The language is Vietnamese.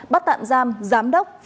bắt tạm giam giám đốc